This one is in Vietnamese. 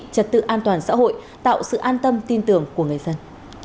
trật tự an toàn xã hội tạo sự an tâm tin tưởng của người dân